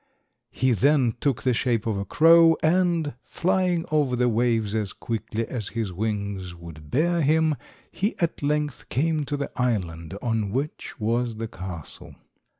He then took the shape of a crow, and, flying over the waves as quickly as his wings would bear him, he at length came to the island on which was the castle.